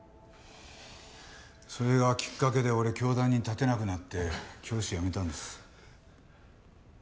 それがきっかけで俺教壇に立てなくなって教師辞めたんです。